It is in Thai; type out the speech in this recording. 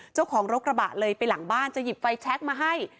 เจ้าของรถกระบะเลยไปหลังบ้านจะหยิบไฟแชคมาให้